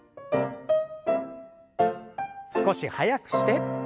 少し速くして。